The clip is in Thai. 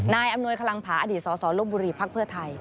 อำนวยคลังผาอดีตสสลบบุรีภักดิ์เพื่อไทย